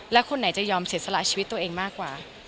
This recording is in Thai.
และคนไหนจะยอมเสียสละชีวิตตัวเองมากกว่า